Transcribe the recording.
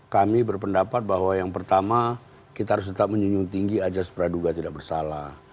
kami berpendapat bahwa yang pertama kita harus tetap menyunjung tinggi aja sepraduga tidak bersalah